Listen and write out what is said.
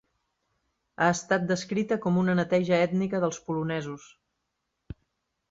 Ha estat descrita com una neteja ètnica dels polonesos.